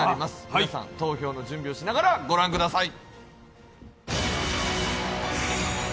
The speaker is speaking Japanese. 皆さん、投票の準備をしながらお待ちください。